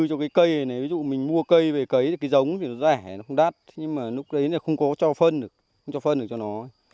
cây này nếu mình mua cây về cấy thì cái giống thì nó rẻ nó không đắt nhưng mà lúc đấy là không có cho phân được không cho phân được cho nó